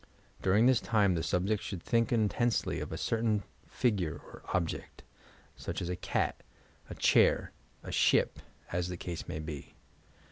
During this time the snbject should think in tensely of a certain figure or object, such as a cat, a chair, a ship, — as the case may be.